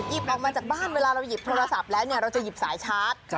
ออกมาจากบ้านเวลาเราหยิบโทรศัพท์แล้วเราจะหยิบสายชาร์จ